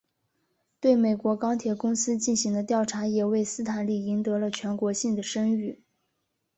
对美国钢铁公司进行的调查也为斯坦利赢得了全国性的声誉。